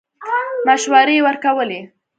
مشورې ورکولې.